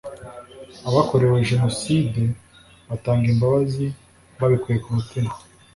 Abakorewe Jenoside batanga imbabazi babikuye ku mutima